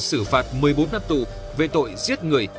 xử phạt một mươi bốn năm tù về tội giết người